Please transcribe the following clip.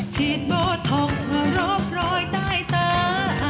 ฉีดโบทองรอบรอยใต้ตา